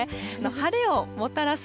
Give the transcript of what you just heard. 晴れをもたらす